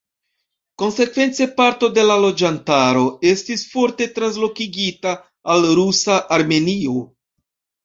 Konsekvence parto de la loĝantaro estis forte translokigita al rusa Armenio.